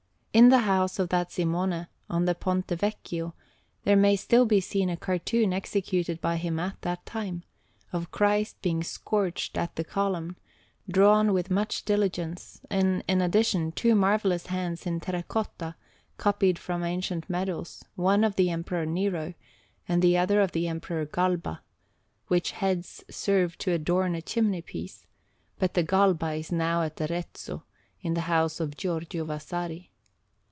In the house of that Simone, on the Ponte Vecchio, there may still be seen a cartoon executed by him at that time, of Christ being scourged at the Column, drawn with much diligence; and, in addition, two marvellous heads in terra cotta, copied from ancient medals, one of the Emperor Nero, and the other of the Emperor Galba, which heads served to adorn a chimney piece; but the Galba is now at Arezzo, in the house of Giorgio Vasari.